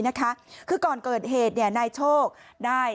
พวกก่อนเกิดเหตุนายโชคได้